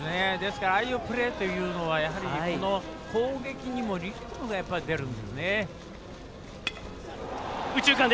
ああいうプレーというのは攻撃にもリズムがやっぱり出るんですね。